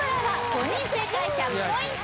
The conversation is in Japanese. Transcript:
５人正解１００ポイント